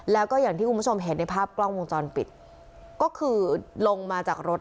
แล้วก็อย่างที่คุณผู้ชมเห็นในภาพกล้องวงจรปิดก็คือลงมาจากรถ